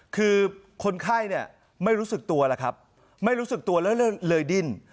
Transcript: คือคนไข้เนี่ยไม่รู้สึกตัวแล้วครับไม่รู้สึกตัวแล้วเลยดิ้น